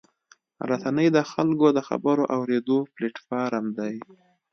رسنۍ د خلکو د خبرو اورېدو پلیټفارم دی.